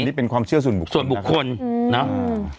นี่เป็นความเชื่อส่วนบุคคลส่วนบุคคลเนอะ